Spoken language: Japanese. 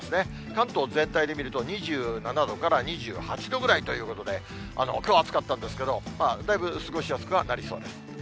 関東全体で見ると、２７度から２８度ぐらいということで、きょうは暑かったんですけど、だいぶ過ごしやすくはなりそうです。